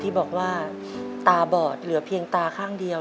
ที่บอกว่าตาบอดเหลือเพียงตาข้างเดียว